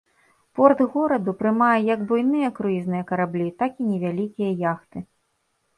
Порт гораду прымае як буйныя круізныя караблі, так і невялікія яхты.